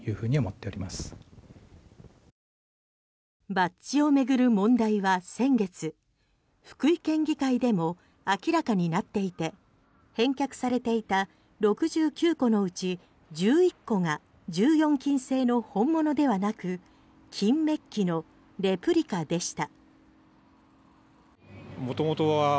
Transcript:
バッジを巡る問題は先月福井県議会でも明らかになっていて返却されていた６９個のうち１１個が１４金製の本物ではなく金メッキのレプリカでした。